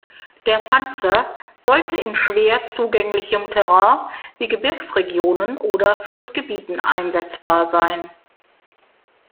Der Panzer sollte in schwer zugänglichem Terrain wie Gebirgsregionen oder Flussgebieten einsetzbar sein.